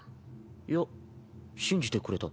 いや信じてくれた。